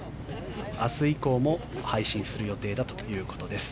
明日以降も配信する予定だということです。